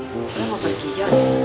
lu mau pergi jon